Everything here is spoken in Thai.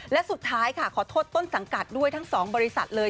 และสุดท้ายค่ะขอโทษต้นสังกัดด้วยทั้งสองบริษัทเลย